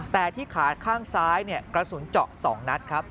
แต่ที่ขาข้างซ้ายกระสุนเจาะ๒นัดครับ